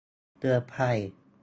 เตือนภัย !